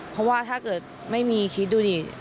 เพราะว่าถ้าเกิดไม่มีคิดดูดิ